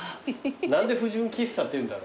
何で「不純喫茶」っていうんだろ。